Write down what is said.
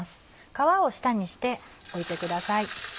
皮を下にして置いてください。